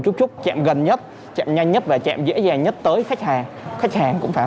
chú trúc chạm gần nhất chặn nhanh nhất và chạm dễ dàng nhất tới khách hàng khách hàng cũng phải